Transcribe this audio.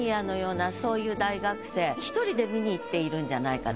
１人で見に行っているんじゃないかと。